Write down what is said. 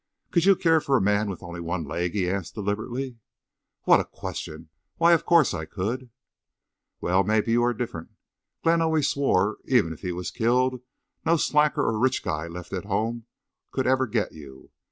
"Could you care for a man with only one leg?" he asked, deliberately. "What a question! Why, of course I could!" "Well, maybe you are different. Glenn always swore even if he was killed no slacker or no rich guy left at home could ever get you.